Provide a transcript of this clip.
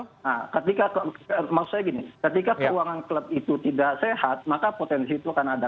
nah ketika maksud saya gini ketika keuangan klub itu tidak sehat maka potensi itu akan ada